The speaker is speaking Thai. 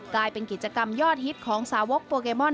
กลายเป็นกิจกรรมยอดฮิตของสาวกโปเกมอน